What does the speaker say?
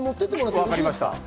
分かりました。